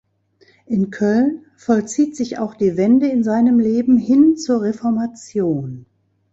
In Köln vollzieht sich auch die Wende in seinem Leben hin zur Reformation.